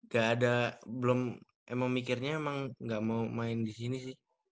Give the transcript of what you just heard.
gak ada belum emang mikirnya emang gak mau main di sini sih